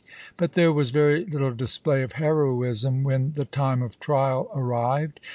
But there was very little display of heroism when the time of trial arrived.